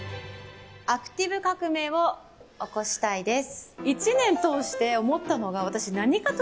アクティブ革命を起こしたいです。